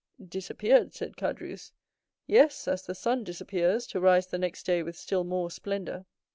"Disappeared," said Caderousse, "yes, as the sun disappears, to rise the next day with still more splendor."